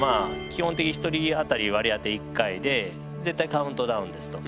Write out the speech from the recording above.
基本的に１人当たり割り当て１回で絶対カウントダウンですと。